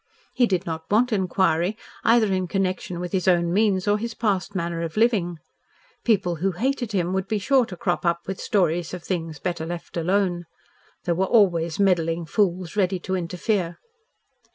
He did not want inquiry either in connection with his own means or his past manner of living. People who hated him would be sure to crop up with stories of things better left alone. There were always meddling fools ready to interfere.